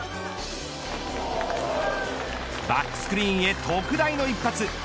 バックスクリーンへ特大の一発。